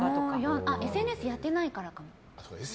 ＳＮＳ、やってないから。